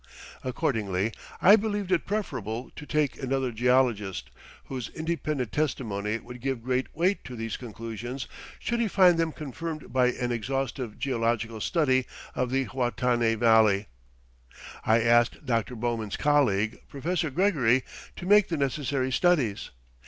Accordingly, I believed it preferable to take another geologist, whose independent testimony would give great weight to those conclusions should he find them confirmed by an exhaustive geological study of the Huatanay Valley. I asked Dr. Bowman's colleague, Professor Gregory, to make the necessary studies.